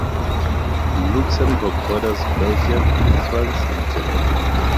Luxembourg borders Belgium, France and Germany.